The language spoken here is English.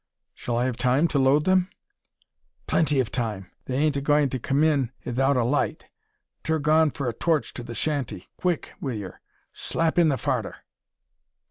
"Shall I have time to load them?" "Plenty o' time. They ain't a gwine to come in 'ithout a light. Thur gone for a torch to the shanty. Quick wi' yur! Slap in the fodder!"